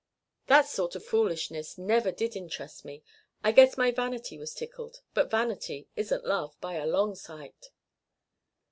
That sort of foolishness never did interest me. I guess my vanity was tickled, but vanity isn't love by a long sight."